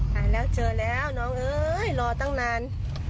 หายแล้วเจอแล้วน้องเอ้ยรอตั้งนาน